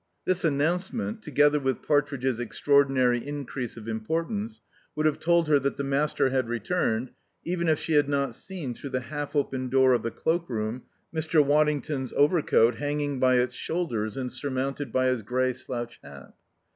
This announcement, together with Partridge's extraordinary increase of importance, would have told her that the master had returned, even if she had not seen, through the half open door of the cloak room, Mr. Waddington's overcoat hanging by its shoulders and surmounted by his grey slouch hat.